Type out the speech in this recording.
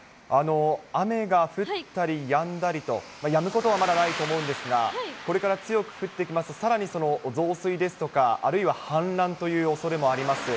雨が降ったりやんだりと、やむことはまだないと思うんですが、これから強く降ってきますと、さらに増水ですとか、あるいは氾濫というおそれもあります。